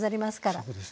そうですね。